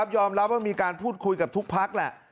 ยอมรับมีการพูดคุยกับทุกภัคร